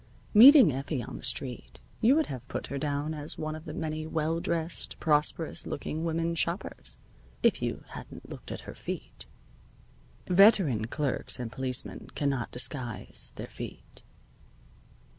Meeting Effie on the street, you would have put her down as one of the many well dressed, prosperous looking women shoppers if you hadn't looked at her feet. Veteran clerks and policemen cannot disguise their feet.